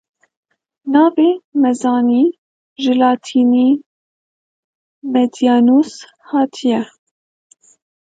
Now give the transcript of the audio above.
Navê Mezanî ji latînî medianus hatiye.